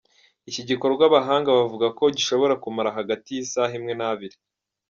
Iki gikorwa abahanga bavuga ko gishobora kumara hagati y’isaha imwe n’abiri.